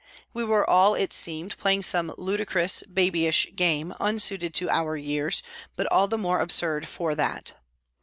We were all, it seemed, playing some ludicrous, babyish game, unsuited to our years, but all the more absurd for that.